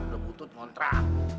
udah butut ngontrak